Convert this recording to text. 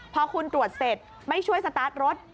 พอคุณตรวจเสร็จไม่ช่วยสตาร์ทรถ